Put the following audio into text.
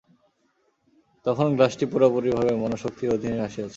তখন গ্লাসটি পুরাপুরিভাবে মনঃশক্তির অধীনে আসিয়াছে।